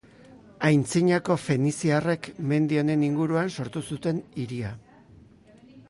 Antzinako feniziarrek mendi honen inguruan sortu zuten hiria.